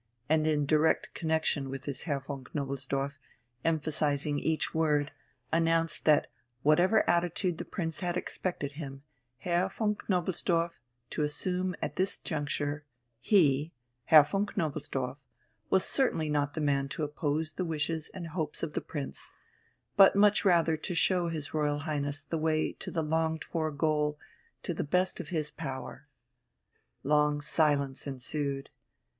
And in direct connexion with this Herr von Knobelsdorff, emphasizing each word, announced that whatever attitude the Prince had expected him, Herr von Knobelsdorff, to assume at this juncture, he, Herr von Knobelsdorff, was certainly not the man to oppose the wishes and hopes of the Prince, but much rather to show his Royal Highness the way to the longed for goal to the best of his power. Long silence ensued.